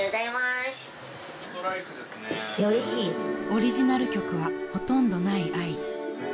［オリジナル曲はほとんどないあい］